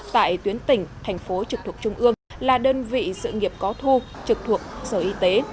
tại tuyến tỉnh thành phố trực thuộc trung ương là đơn vị sự nghiệp có thu trực thuộc sở y tế